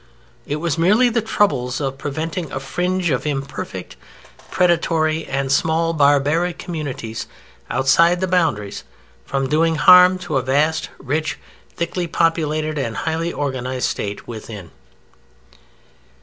It was merely the trouble of preventing a fringe of imperfect, predatory, and small barbaric communities outside the boundaries from doing harm to a vast, rich, thickly populated, and highly organized State within.